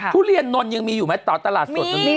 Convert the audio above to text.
ทุเรียนนนยังมีอยู่ไหมต่อตลาดสดยังมี